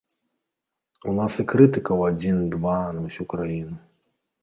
У нас і крытыкаў адзін-два на ўсю краіну.